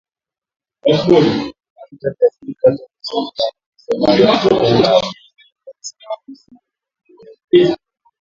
havitalazimika tena kusafiri hadi Somalia kutoka nchi jirani baada ya maafisa kutengua uamuzi